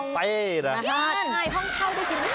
ใช่ห้องเช่าได้กินไหม